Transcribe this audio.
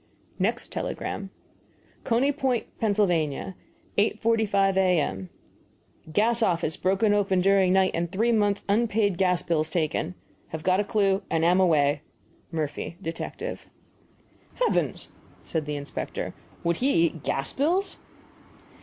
Next telegram: CONEY POINT, PA., 8.45 A.M. Gas office broken open here during night and three months' unpaid gas bills taken. Have got a clue and am away. MURPHY, Detective. "Heavens!" said the inspector; "would he eat gas bills?"